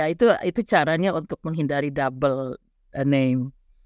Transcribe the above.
itu caranya untuk menghindari double name